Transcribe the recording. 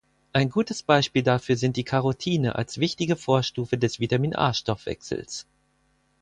Ein gutes Beispiel dafür sind die Carotine als wichtige Vorstufe des Vitamin A-Stoffwechsels.